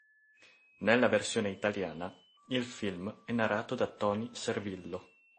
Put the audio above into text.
Nella versione italiana il film è narrato da Toni Servillo.